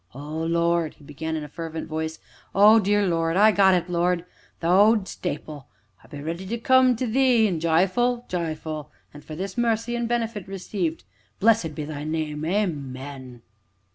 "O Lord !" he began in a fervent voice, "O dear Lord! I got it, Lord th' owd stapil I be ready to come to Thee, an' j'yful j'yful! an' for this mercy, an' benefit received blessed be Thy name. Amen!"